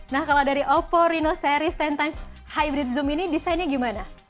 nah kalau dari oppo reno series sepuluh times hybrid zoom ini desainnya gimana